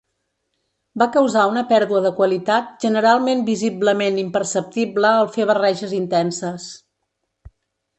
Va causar una pèrdua de qualitat generalment visiblement imperceptible al fer barreges intenses.